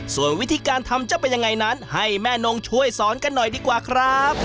ส่วนวิธีการทำจะเป็นยังไงนั้นให้แม่นงช่วยสอนกันหน่อยดีกว่าครับ